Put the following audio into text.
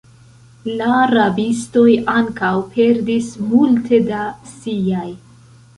La rabistoj ankaŭ perdis multe da siaj.